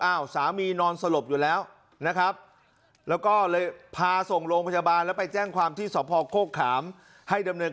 อ้าวสามีนอนสลบอยู่แล้วนะครับแล้วก็เลยพาส่งลงปฏิบาล